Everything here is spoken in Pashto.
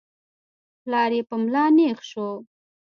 پلار يې په ملا نېغ شو.